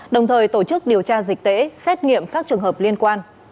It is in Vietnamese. đồng thời tổ chức điều tra dịch tễ xét nghiệm các trường hợp liên quan